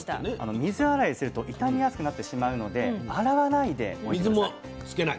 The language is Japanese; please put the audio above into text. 水洗いすると傷みやすくなってしまうので洗わないで置いて下さい。